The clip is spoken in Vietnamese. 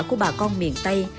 của bà con miền tây